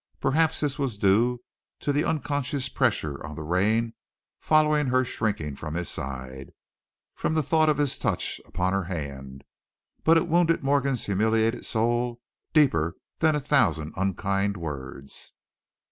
Perhaps this was due to the unconscious pressure on the rein following her shrinking from his side, from the thought of his touch upon her hand, but it wounded Morgan's humiliated soul deeper than a thousand unkind words.